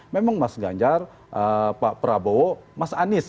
memang mas ganjar pak prabowo mas anies